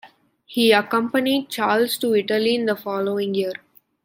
He accompanied Charles to Italy in the following year.